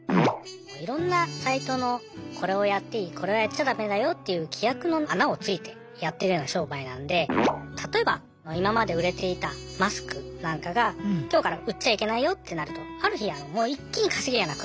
いろんなサイトのこれをやっていいこれはやっちゃ駄目だよっていう規約の穴をついてやってるような商売なんで例えば今まで売れていたマスクなんかが今日から売っちゃいけないよってなるとある日もう一気に稼ぎがなくなっちゃう。